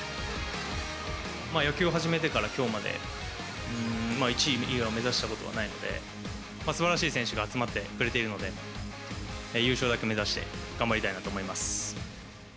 野球を始めてからきょうまで、１位以外を目指したことはないので、すばらしい選手が集まってくれているので、優勝だけ目指して頑張りたいなと思います。